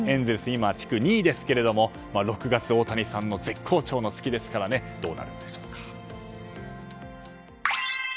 今、地区２位ですが６月はオオタニサンの絶好調の月ですからどうなるんでしょうか。